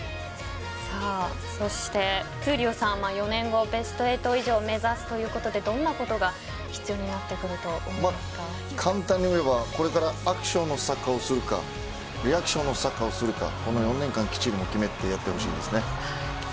そして、闘莉王さんは４年後、ベスト８以上を目指すということでどんなことが簡単にいえばこれからアクションのサッカーをするかリアクションのサッカーをするか４年間できっちり決めてやってほしいですね。